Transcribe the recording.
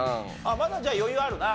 まだじゃあ余裕あるな。